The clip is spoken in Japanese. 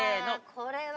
これは。